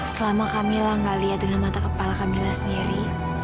selama kak mila nggak lihat dengan mata kepala kak mila sendiri